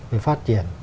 để phát triển